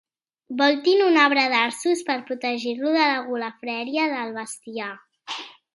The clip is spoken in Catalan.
Voltin un arbre d'arços per protegir-lo de la golafreria del bestiar.